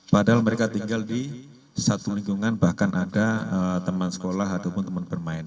padahal mereka tinggal di satu lingkungan bahkan ada teman sekolah ataupun teman bermain